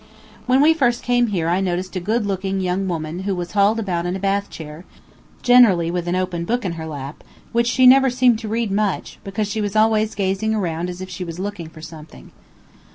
When we first came here I noticed a good looking young woman who was hauled about in a bath chair, generally with an open book in her lap, which she never seemed to read much, because she was always gazing around as if she was looking for something.